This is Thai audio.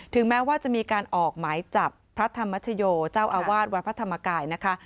แม้ว่าจะมีการออกหมายจับพระธรรมชโยเจ้าอาวาสวัดพระธรรมกายนะคะ